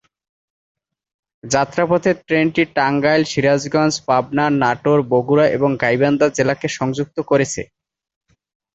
যাত্রাপথে ট্রেনটি টাঙ্গাইল, সিরাজগঞ্জ, পাবনা, নাটোর, বগুড়া এবং গাইবান্ধা জেলাকে সংযুক্ত করেছে।